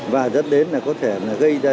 và dẫn đến là có thể gây ra